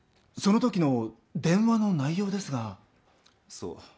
そう。